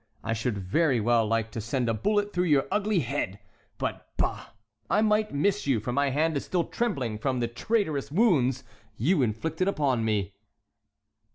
I should very well like to send a bullet through your ugly head; but, bah! I might miss you, for my hand is still trembling from the traitorous wounds you inflicted upon me."